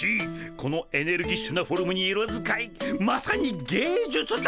このエネルギッシュなフォルムに色使いまさに芸術だ！